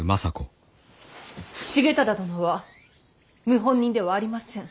重忠殿は謀反人ではありません。